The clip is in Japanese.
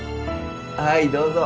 はいどうぞ。